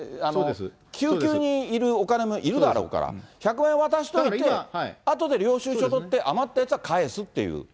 きゅうきゅうにいるお金もいるだろうから、１００万円渡しといて、あとで領収書取って、余ったやつは返すっていう。